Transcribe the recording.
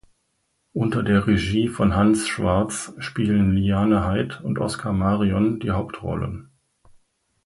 Unter der Regie von Hanns Schwarz spielen Liane Haid und Oskar Marion die Hauptrollen.